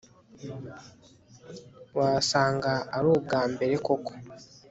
wasanga ari ubwambere koko